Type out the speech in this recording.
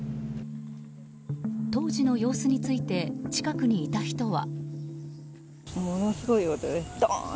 当時の様子について近くにいた人は。